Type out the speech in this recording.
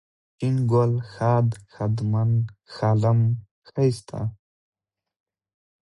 شپونکی ، شين گل ، ښاد ، ښادمن ، ښالم ، ښايسته